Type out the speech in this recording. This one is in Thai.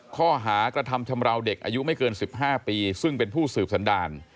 ข้อหากระทำชำราวเด็กอายุไม่เกิน๑๕ปีซึ่งเป็นผู้สืบสันดาล